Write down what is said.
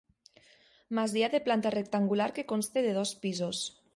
Masia de planta rectangular que consta de dos pisos.